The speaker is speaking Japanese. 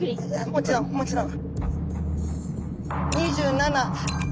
もちろんもちろん。